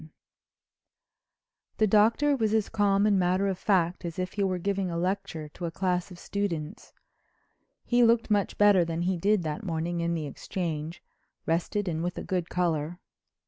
VII The Doctor was as calm and matter of fact as if he were giving a lecture to a class of students. He looked much better than he did that morning in the Exchange; rested and with a good color.